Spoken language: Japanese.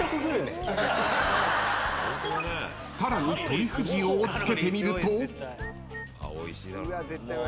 ［さらにトリュフ塩をつけてみると］